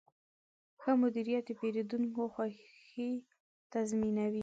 ښه مدیریت د پیرودونکو خوښي تضمینوي.